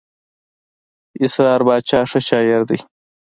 اسرار باچا ښه شاعر دئ.